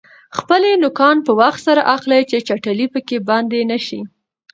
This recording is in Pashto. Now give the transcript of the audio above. خپلې نوکان په وخت سره اخلئ چې چټلي پکې بنده نشي.